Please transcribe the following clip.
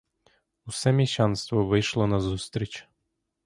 Усе міщанство вийшло назустріч.